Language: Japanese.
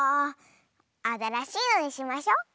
あたらしいのにしましょ。